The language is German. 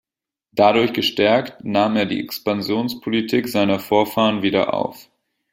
Dadurch gestärkt nahm er die Expansionspolitik seiner Vorfahren wieder auf.